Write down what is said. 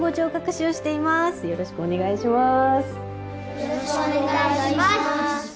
よろしくお願いします。